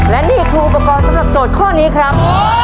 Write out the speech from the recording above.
แล้วนี้คือภูกภัณฑ์สำหรับโจทย์ข้อนี้ครับ